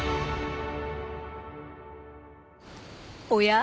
おや？